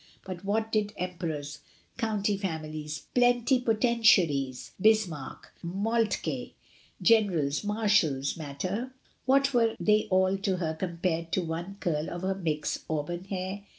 But what did emperors, county families, pleni potentiaries, Bismarck, Moltke, generals, marshals, matter — what were they all to her compared to one curl of her Mick's auburn hair?